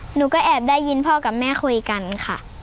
หนูก็แอบได้ยินพ่อกับแม่คุยกันค่ะ